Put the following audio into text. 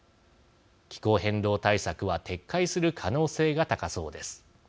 気候変動対策は撤回する可能性が高そうです。